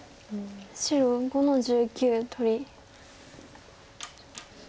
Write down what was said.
白５の十九取り。